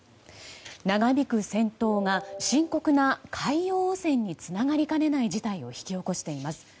長引く戦闘が、深刻な海洋汚染につながりかねない事態を引き起こしています。